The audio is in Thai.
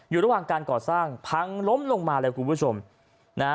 อยู่ระหว่างการก่อสร้างพังล้มลงมาเลยคุณผู้ชมนะฮะ